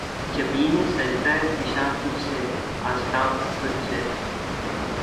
جبینِ سجدہ فشاں تجھ سے‘ آستاں تجھ سے